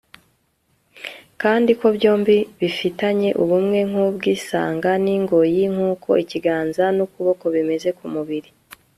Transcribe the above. kandi ko byombi bifitanye ubumwe nk'ubw'isanga n'ingoyi nk'uko ikiganza n'ukuboko bimeze ku mubiri